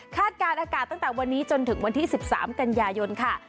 การอากาศตั้งแต่วันนี้จนถึงวันที่๑๓กันยายนค่ะ